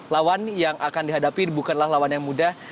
lawan yang akan dihadapi bukanlah lawan yang mudah